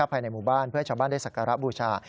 ภายในหมู่บ้านเพื่อให้ชาวบ้านได้สักการะบูชา